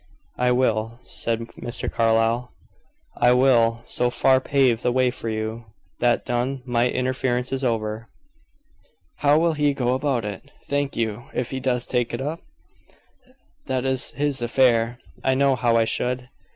"I will," said Mr. Carlyle. "I will so far pave the way for you. That done, my interference is over." "How will he go about it, think you, if he does take it up?" "That is his affair. I know how I should."